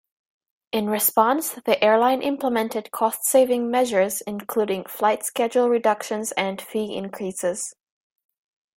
In response, the airline implemented cost-saving measures, including flight schedule reductions and fee increases.